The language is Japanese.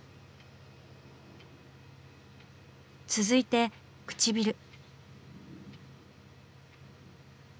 続いて唇。